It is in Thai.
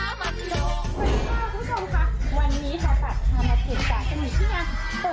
สวัสดีค่ะคุณผู้ชมค่ะวันนี้ฮาปัสพามาถึงจากกันอยู่ที่ยา